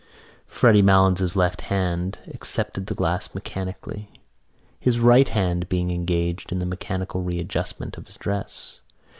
Freddy Malins' left hand accepted the glass mechanically, his right hand being engaged in the mechanical readjustment of his dress.